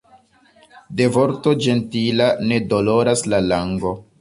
De vorto ĝentila ne doloras la lango.